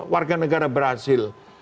warga negara brazil